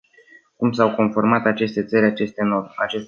Cum s-au conformat aceste țări acestor norme?